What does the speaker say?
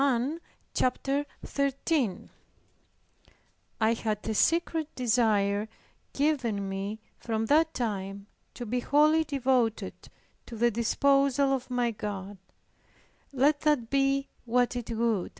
11:30). CHAPTER 13 I had a secret desire given me from that time to be wholly devoted to the disposal of my God, let that be what it would.